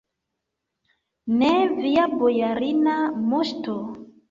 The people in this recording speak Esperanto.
Ne, via bojarina moŝto!